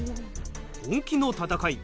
本気の戦い